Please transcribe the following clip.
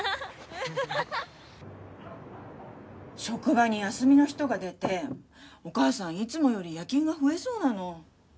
職場に休みの人が出てお母さんいつもより夜勤が増えそうなの。